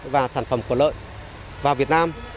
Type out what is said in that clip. và sản phẩm của lợn vào việt nam